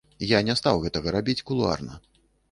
Я не стаў гэтага рабіць кулуарна.